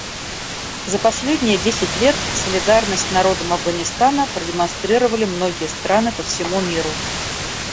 За последние десять лет солидарность с народом Афганистана продемонстрировали многие страны по всему миру.